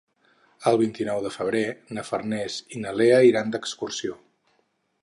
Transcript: El vint-i-nou de febrer na Farners i na Lea iran d'excursió.